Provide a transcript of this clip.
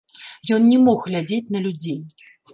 Ён не мог глядзець на людзей.